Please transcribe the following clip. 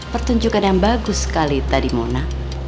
pertunjukan yang bagus sekali tadi mona